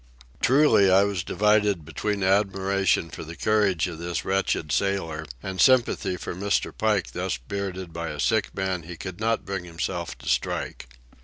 Truly, I was divided between admiration for the courage of this wretched sailor and sympathy for Mr. Pike thus bearded by a sick man he could not bring himself to strike.